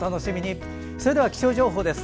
それでは気象情報です。